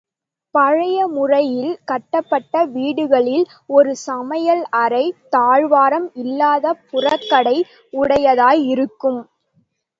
பழைய முறையில் கட்டப்பட்ட வீடுகளில் ஒரு சமையல் அறை, தாழ்வாரம் இல்லாத புறக்கடை உடையதாய் இருக்கும்.